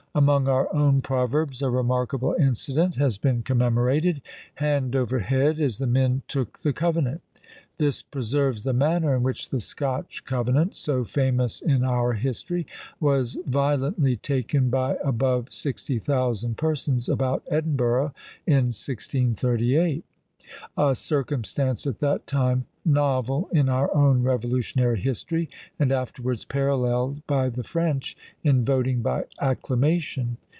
Among our own proverbs a remarkable incident has been commemorated; Hand over head, as the men took the Covenant! This preserves the manner in which the Scotch covenant, so famous in our history, was violently taken by above sixty thousand persons about Edinburgh, in 1638; a circumstance at that time novel in our own revolutionary history, and afterwards paralleled by the French in voting by "acclamation."